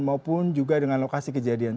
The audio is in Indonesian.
maupun juga dengan lokasi kejadian